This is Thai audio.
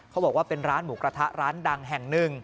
บอกว่าเป็นร้านหมูกระทะร้านดังแห่งหนึ่ง